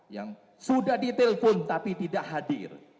yang sudah ditelepon tapi tidak hadir